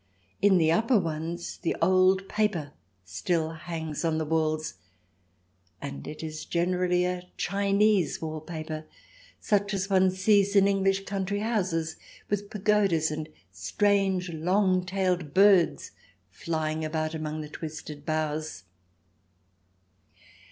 In the upper ones the old paper still hangs on the walls, and it is generally a Chinese wall paper, such as one sees in English country houses, with pagodas and strange, long tailed birds flying about among twisted boughs.